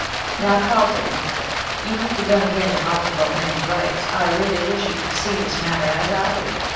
"Now, Carlton, you have begun again to harp about man's rights; I really wish you could see this matter as I do.